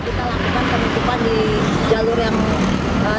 jalur yang tidak searah oleh rangkaian panjang dari arah yang sebelumnya